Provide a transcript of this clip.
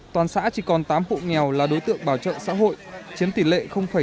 toàn xã chỉ còn tám hộ nghèo là đối tượng bảo trợ xã hội chiến tỷ lệ năm mươi bảy